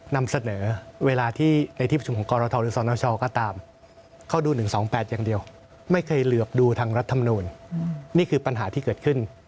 นี่คือปัญหาที่เกิดขึ้น